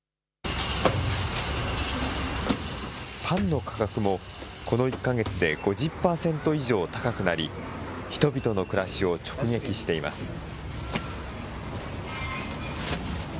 パンの価格も、この１か月で５０％以上高くなり、人々の暮らしを直撃しています。